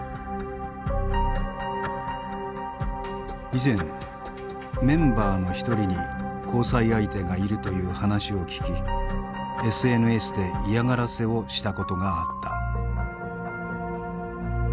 以前メンバーの一人に交際相手がいるという話を聞きＳＮＳで嫌がらせをしたことがあった。